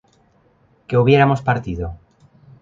que hubiéramos partido